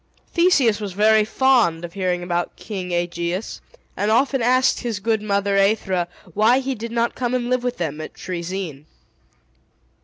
Theseus was very fond of hearing about King Aegeus, and often asked his good mother Aethra why he did not come and live with them at Troezene.